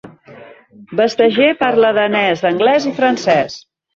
Vestager parla danès, anglès i francès.